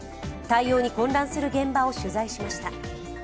対応に混乱する現場を取材しました。